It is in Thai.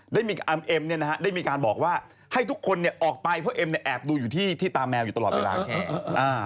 ได้มีการเอ็มเนี่ยนะฮะได้มีการบอกว่าให้ทุกคนเนี่ยออกไปเพราะเอ็มเนี่ยแอบดูอยู่ที่ตามแมวอยู่ตลอดเวลา